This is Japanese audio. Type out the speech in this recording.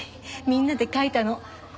みんなで描いたの。